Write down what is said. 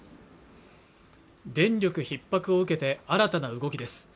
電力ひっ迫を受けて新たな動きです